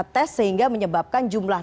tes sehingga menyebabkan jumlah